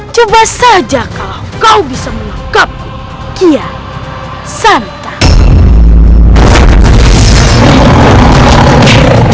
coba saja kalau kau bisa menangkapku kia santam